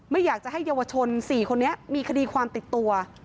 ไม่อยากจะให้เยาวชน๔คนนี้มีคดีความติดตัว